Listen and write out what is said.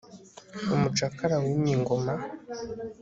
umucakara wimye ingoma